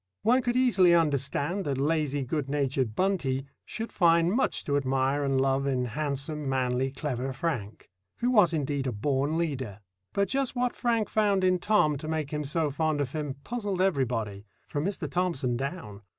One could easily understand that lazy, good natured "Buntie" should find much to admire and love in handsome, manly, clever Frank, who was indeed a born leader; but just what Frank found in Tom to make him so fond of him puzzled everybody, from Mr. Thomson down.